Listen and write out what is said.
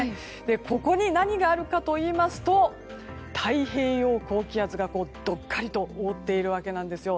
ここに何があるかといいますと太平洋高気圧がどっかりと覆っているわけです。